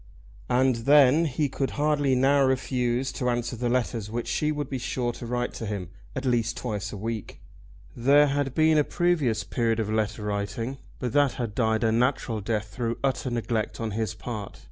And then he could hardly now refuse to answer the letters which she would be sure to write to him, at least twice a week. There had been a previous period of letter writing, but that had died a natural death through utter neglect on his part.